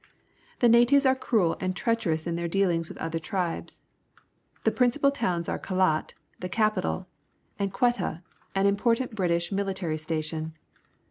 The natives are cruel and treach erous in their deaUngs \\"ith other tribes. The principal towns are Kalai, the capital, and Oueita . an important British mihtarj' station.